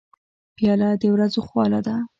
پیاله د ورځو خواله ده.